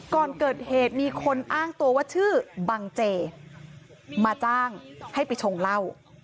ก่อนเกิดเหตุมีคนอ้างตัวว่าชื่อบังเจมาจ้างให้ไปชงเหล้า